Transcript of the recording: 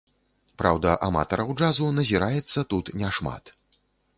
Праўда, аматараў джазу назіраецца тут не шмат.